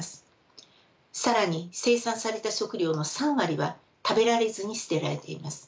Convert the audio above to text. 更に生産された食料の３割は食べられずに捨てられています。